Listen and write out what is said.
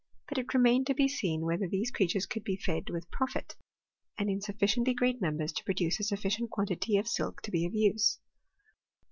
But it remained to be seen whether these creatures could be fed with profit, and in sufficiently great numbers to produce a sufficient quantity of silk to be of use.